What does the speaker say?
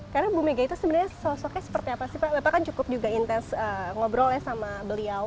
karena ibu mega itu sebenarnya sosoknya seperti apa sih pak